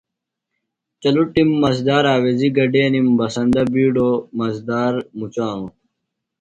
چلٹِم مزہ دار آویزیۡ گڈینِم۔ بسندہ بِیڈوۡ مزہ دار مُچانوۡ۔